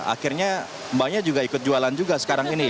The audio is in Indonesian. akhirnya mbaknya juga ikut jualan juga sekarang ini